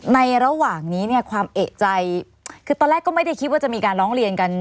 ในระหว่างนี้เนี่ยความเอกใจคือตอนแรกก็ไม่ได้คิดว่าจะมีการร้องเรียนกัน